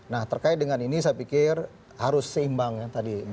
nah terkait dengan ini saya pikir harus seimbang ya tadi